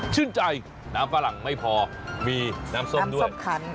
ชื่นใจน้ำฝรั่งไม่พอมีน้ำส้มด้วย